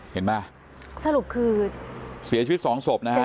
เห็นป่ะสรุปคือเสียชีวิตสองศพนะฮะเสียชีวิตจริงจริงใช่ไหม